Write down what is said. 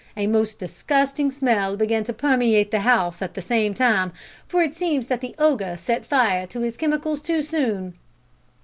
A most disgusting smell began to permeate the house at the same time, for it seems that the ogre set fire to his chemicals too soon.